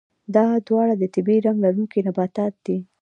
دا دواړه د طبیعي رنګ لرونکي نباتات دي.